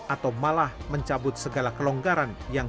atau malah mencabut segala kelonggaran yang